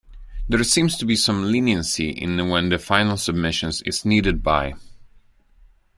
There seems to be some leniency in when the final submission is needed by.